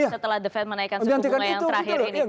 setelah the fed menaikkan suku bunga yang terakhir ini